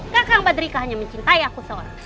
kakang badrika hanya mencintai aku seorang